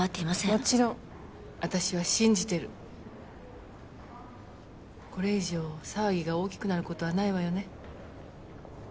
もちろん私は信じてるこれ以上騒ぎが大きくなることはないわよね？